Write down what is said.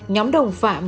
nhóm đồng phạm